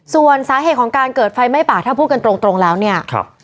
ส่วนสาเหตุของการเกิดไฟไหม้ป่าถ้าพูดกันตรงแล้วเนี่ย